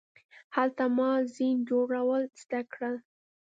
هلته ما زین جوړول زده کړل.